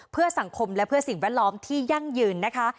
เพื่อสังคมและเพื่อสิ่งแวดล้อมที่ยั่งยืนนะคะ